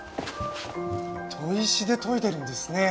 砥石で研いでるんですねえ。